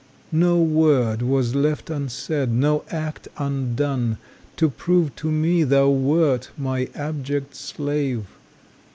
No word was left unsaid, no act undone, To prove to me thou wert my abject slave.